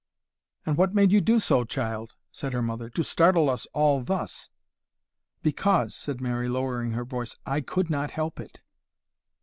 "And what made you do so, child," said her mother, "to startle us all thus?" "Because," said Mary, lowering her voice, "I could not help it."